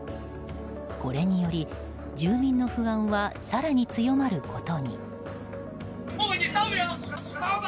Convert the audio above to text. これにより住民の不安は更に強まることに。